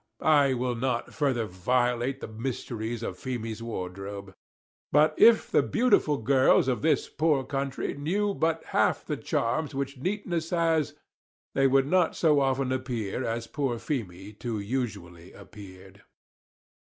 I will not further violate the mysteries of Feemy's wardrobe. But if the beautiful girls of this poor country knew but half the charms which neatness has, they would not so often appear as poor Feemy too usually appeared.